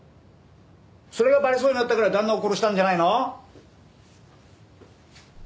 それがバレそうになったから旦那を殺したんじゃないの？